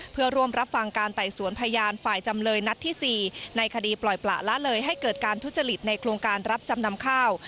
เพื่อร่วมรับฟังการไต่สวนพยานฝ่ายจำเลยนัดที่๔ในคดีปล่อยปละละเลยให้เกิดการทุจริตในโครงการรับจำนำข้าว